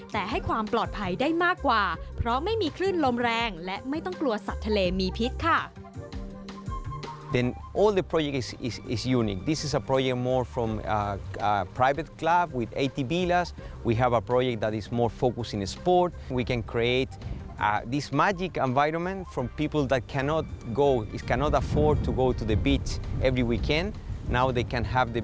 แต่ให้ความปลอดภัยได้มากกว่าเพราะไม่มีคลื่นลมแรงและไม่ต้องกลัวสัตว์ทะเลมีพิษค่ะ